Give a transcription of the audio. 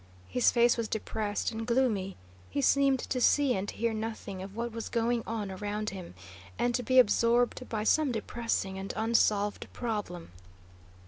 His face was depressed and gloomy. He seemed to see and hear nothing of what was going on around him and to be absorbed by some depressing and unsolved problem.